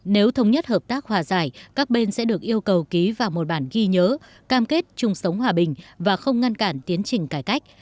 nếu thống nhất hợp tác hòa giải các bên sẽ được yêu cầu ký vào một bản ghi nhớ cam kết chung sống hòa bình và không ngăn cản tiến trình cải cách